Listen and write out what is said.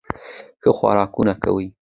ښه خوراکونه کوي